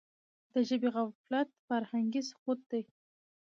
د ژبي غفلت فرهنګي سقوط دی.